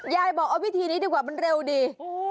ยายบอกเอาวิธีนี้ดีกว่ามันเร็วดี